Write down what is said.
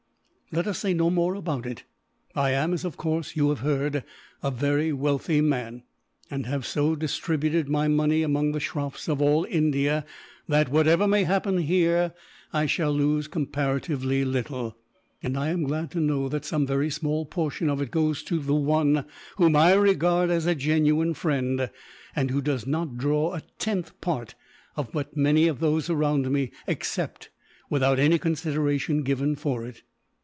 "Let us say no more about it. I am, as of course you have heard, a very wealthy man; and have so distributed my money among the shroffs of all India that, whatever may happen here, I shall lose comparatively little; and I am glad to know that some very small portion of it goes to one whom I regard as a genuine friend, and who does not draw a tenth part of what many of those around me accept, without any consideration given for it."